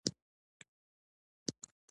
مجاهد د دنیا مال نه غواړي، یوازې آخرت غواړي.